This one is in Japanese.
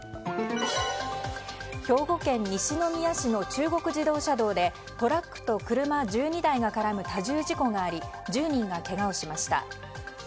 兵庫県西宮市の中国自動車道でトラックと車１２台が絡む多重事故があり１０人がけがをしました。